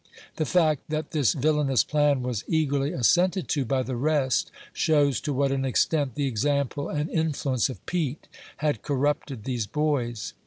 The fact that this villanous plan was eagerly assented to by the rest, shows to what an extent the example and influence of Pete had corrupted these boys.